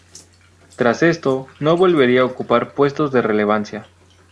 Tras esto, no volvería a ocupar puestos de relevancia.